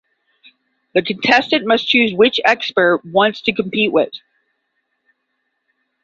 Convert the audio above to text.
The contestant must choose which "expert" wants to compete with.